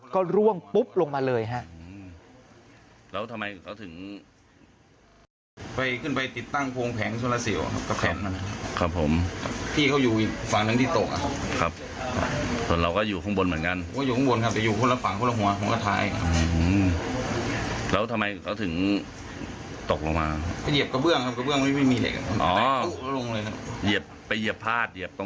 ก็ร่วงปุ๊บลงมาเลยฮะ